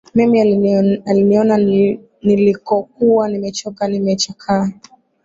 Mimi aliniona nilikokuwa nimechoka, nimechakaa.